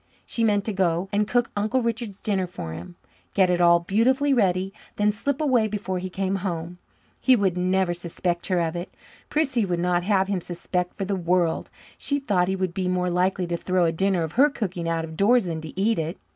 She meant to go and cook Uncle Richard's dinner for him, get it all beautifully ready, then slip away before he came home. He would never suspect her of it. Prissy would not have him suspect for the world; she thought he would be more likely to throw a dinner of her cooking out of doors than to eat it.